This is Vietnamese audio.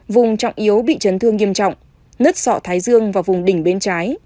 vùng trọng yếu bị chấn thương nghiêm trọng nứt sọ thái dương và vùng đỉnh bên trái